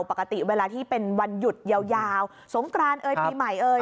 ปกติเวลาที่เป็นวันหยุดยาวสงกรานเอยปีใหม่เอ่ย